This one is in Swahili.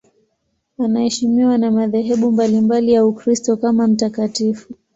Anaheshimiwa na madhehebu mbalimbali ya Ukristo kama mtakatifu.